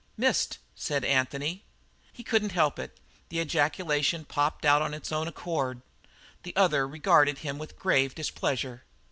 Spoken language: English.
"Missed!" said Anthony. He couldn't help it; the ejaculation popped out of its own accord. The other regarded him with grave displeasure.